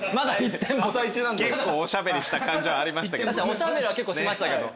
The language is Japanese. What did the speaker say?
おしゃべりは結構しましたけど。